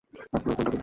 আপনার ফোনটা দিন।